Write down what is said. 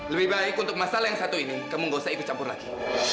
lebih baik untuk masalah yang satu ini kamu gak usah ikut campur lagi